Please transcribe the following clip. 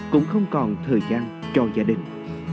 cũng không còn thời gian cho gia đình